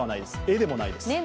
絵でもないです